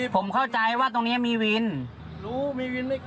ผมเข้าใจว่าตรงนี้มีวิน